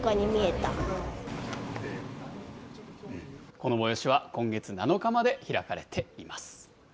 この催しは今月７日まで開かれています。